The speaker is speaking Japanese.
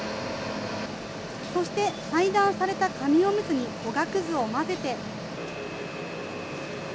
そして、裁断された紙おむつにおがくずを混ぜて。